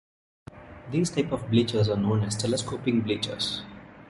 These type of bleachers are known as telescoping bleachers.